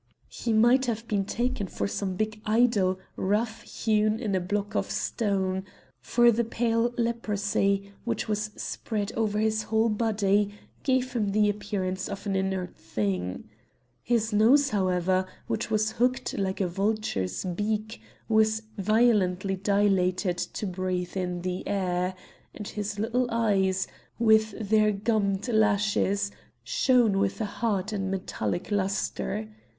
He might have been taken for some big idol rough hewn in a block of stone; for a pale leprosy, which was spread over his whole body, gave him the appearance of an inert thing. His nose, however, which was hooked like a vulture's beak, was violently dilated to breathe in the air, and his little eyes, with their gummed lashes, shone with a hard and metallic lustre.